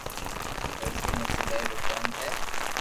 درزي ما سلائي رو ڪوم ھي